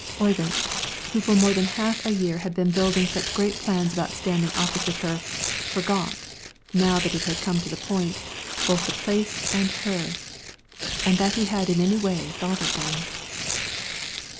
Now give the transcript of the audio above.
Oyvind, who for more than half a year had been building such great plans about standing opposite her, forgot, now that it had come to the point, both the place and her, and that he had in any way thought of them.